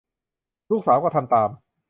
ลูกสาวก็ทำตาม